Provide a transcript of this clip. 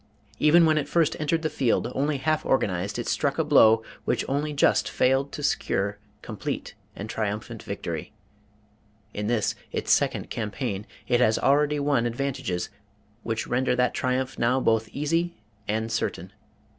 Even when it first entered the field, only half organized, it struck a blow which only just failed to secure complete and triumphant victory. In this, its second campaign, it has already won advantages which render that triumph now both easy and certain.